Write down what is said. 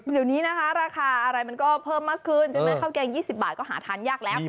เดี๋ยวนี้นะคะราคาอะไรมันก็เพิ่มมากขึ้นใช่ไหมข้าวแกง๒๐บาทก็หาทานยากแล้ว